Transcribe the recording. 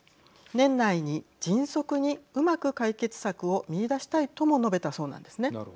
年内に迅速にうまく解決策を見いだしたいとも述べたそうなんですね。